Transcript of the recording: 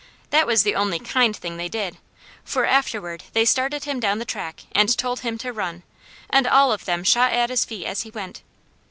That was the only KIND thing they did, for afterward they started him down the track and told him to run, and all of them shot at his feet as he went.